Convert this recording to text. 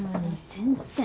全然！